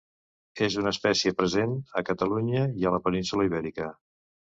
És una espècie present a Catalunya i a la península Ibèrica.